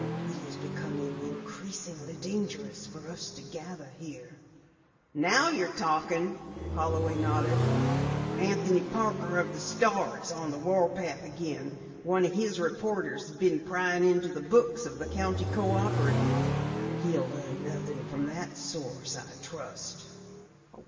It is becoming increasingly dangerous for us to gather here." "Now you're talking!" Holloway nodded. "Anthony Parker of the Star is on the warpath again. One of his reporters has been prying into the books of the County Cooperative." "He'll learn nothing from that source, I trust."